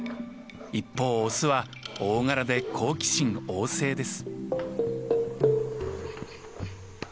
一方オスは大柄で好奇心旺盛です。